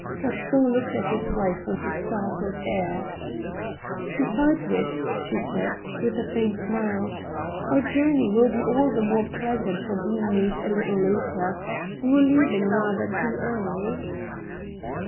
Gaston looked at his wife with a startled air. " Besides which," she said, with a faint smile, " our journey will be all the more pleasant for being made a little later. We were leaving rather too early."